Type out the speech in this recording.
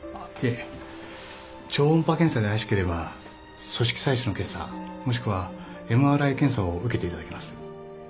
いえ超音波検査で怪しければ組織採取の検査もしくは ＭＲＩ 検査を受けていただきます